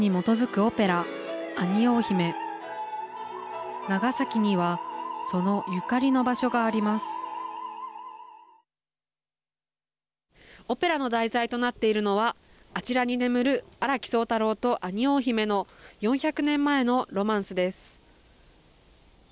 オペラの題材となっているのはあちらに眠る荒木宗太郎とアニオー姫の４００年前のロマンスです。